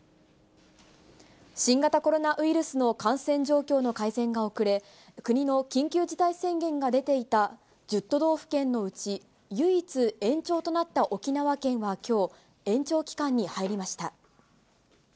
新型コロナウイルスの感染状況の改善が遅れ、国の緊急事態宣言が出ていた１０都道府県のうち、唯一延長となった沖縄県はきょう、延長期間に入りました。